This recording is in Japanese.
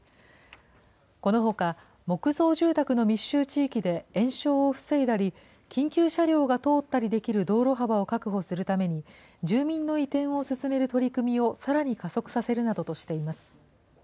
このほか、木造住宅の密集地域で延焼を防いだり、緊急車両が通ったりできる道路幅を確保するために、住民の移転を進める取り組みをさらに加速させるなどとしています。